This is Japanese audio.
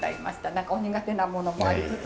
何かお苦手なものもありつつ。